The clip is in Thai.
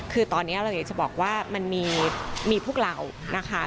คือตอนนี้เราอยากจะบอกว่ามันมีพวกเรานะคะ